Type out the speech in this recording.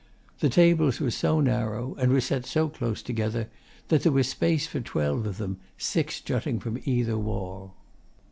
The tables were so narrow, and were set so close together, that there was space for twelve of them, six jutting from either wall.